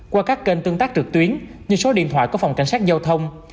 qua các kênh tương tác trực tuyến như số điện thoại của phòng cảnh sát giao thông